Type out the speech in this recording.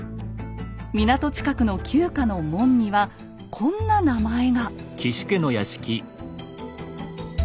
港近くの旧家の門にはこんな名前が。